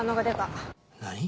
何？